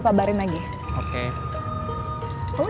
rather serat perempuan